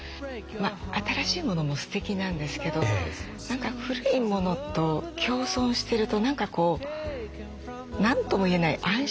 新しいものもすてきなんですけど何か古いものと共存してると何かこう何とも言えない安心感が得られる。